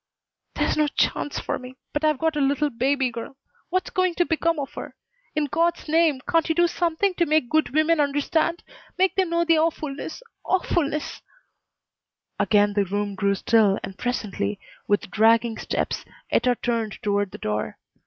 "There's no chance for me, but I've got a little baby girl. What's going to become of her? In God's name, can't you do something to make good women understand? Make them know the awfulness awfulness " Again the room grew still and presently, with dragging steps, Etta turned toward the door.